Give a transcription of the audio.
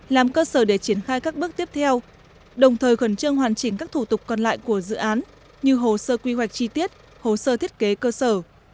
làm cơ sở để triển khai các bước tiếp theo đồng thời khẩn trương hoàn chỉnh các thủ tục còn lại của dự án như hồ sơ quy hoạch chi tiết hồ sơ thiết kế cơ sở